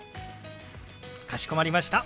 かしこまりました。